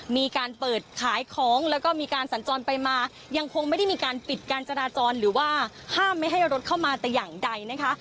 มีการเปิดขายของแล้วก็มีการสัญจรไปมายังคงไม่ได้มีการปิดการจราจรหรือว่าห้ามไม่ให้รถเข้ามาแต่อย่างใดนะคะ